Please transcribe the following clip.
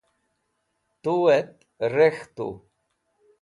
tu'et rek̃htu